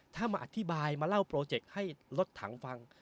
ถ้ามาอธิบายมาเล่าโปรเจกต์ให้รถถังฟัง